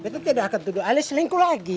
betta tidak akan duduk alis lingku lagi